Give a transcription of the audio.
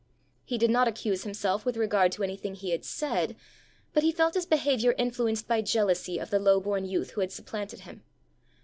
He did not accuse himself with regard to anything he had said, but he felt his behaviour influenced by jealousy of the low born youth who had supplanted him.